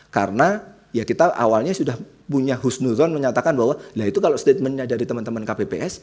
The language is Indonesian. karena ya kita awalnya sudah punya who s new zone menyatakan bahwa itu kalau statementnya dari teman teman kpps